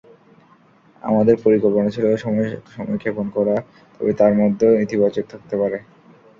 আমাদের পরিকল্পনা ছিল সময়ক্ষেপণ করা, তবে তার মধ্যেও ইতিবাচক থাকতে হবে।